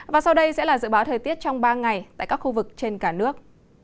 và sau đây sẽ là dự báo thời tiết trong ba ngày tại các khu vực trên cả nước